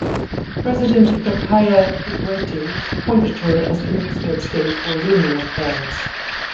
President Jakaya Kikwete appointed her as the Minister of State for Union Affairs.